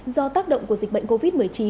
do tác động của dịch bệnh covid một mươi chín